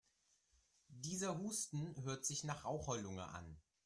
Dieser Husten hört sich nach Raucherlunge an.